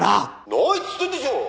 「ないって言ってるでしょう！」